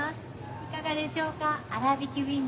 いかがでしょうか。